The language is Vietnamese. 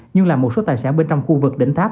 nhưng là một số tài sản bên trong khu vực đỉnh tháp